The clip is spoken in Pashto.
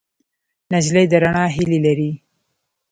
نجلۍ د رڼا هیلې لري.